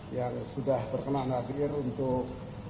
yang sudah berkenan hadir untuk